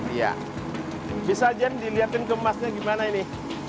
iya bisa jen dilihatin kemasnya bagaimana ini